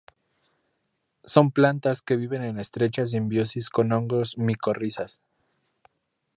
Son plantas que viven en estrecha simbiosis con hongos micorrizas.